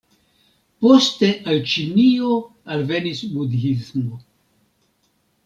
Poste al Ĉinio alvenis budhismo.